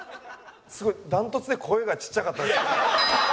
すごい断トツで声がちっちゃかったです。